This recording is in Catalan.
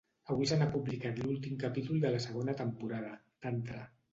Avui se n’ha publicat l’últim capítol de la segona temporada, Tantra.